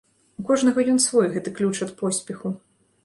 У кожнага ён свой, гэты ключ ад поспеху.